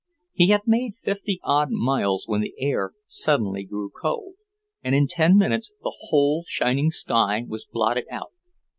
He had made fifty odd miles when the air suddenly grew cold, and in ten minutes the whole shining sky was blotted out.